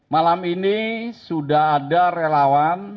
malam ini sudah ada relawan